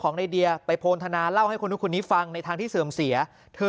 ในเดียไปโพนทนาเล่าให้คนนู้นคนนี้ฟังในทางที่เสื่อมเสียเธอ